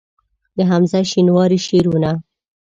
د حمزه شینواري شعرونه